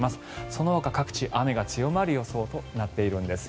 そのほか各地、雨が強まる予想となっているんです。